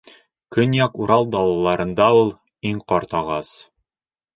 Көньяҡ Урал далаларында ул — иң ҡарт ағас.